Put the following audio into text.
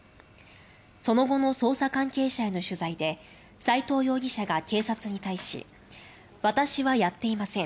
その後の捜査関係者への取材で斎藤容疑者が、警察に対し「私はやっていません。